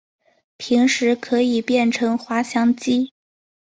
平时可以变成滑翔机。